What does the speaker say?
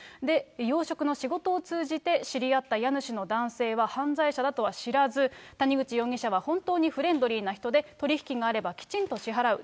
養殖の仕事を通じて知り合った家主の男性は、犯罪者だとは知らず、谷口容疑者は本当にフレンドリーな人で、取り引きがあればきちんと支払う。